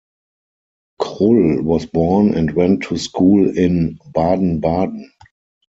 Krull was born and went to school in Baden-Baden.